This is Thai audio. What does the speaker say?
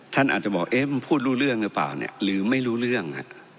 ท่านอาจจะบอกเอ๊ะมันพูดรู้เรื่องหรือเปล่าเนี่ยหรือไม่รู้เรื่อง